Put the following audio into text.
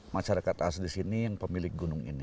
masyarakat asli sini yang pemilik gunung ini